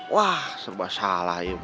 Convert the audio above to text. wah serba salah ya om